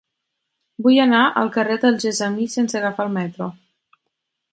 Vull anar al carrer del Gessamí sense agafar el metro.